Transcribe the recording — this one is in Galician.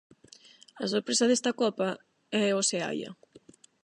A sorpresa desta copa é o Seaia.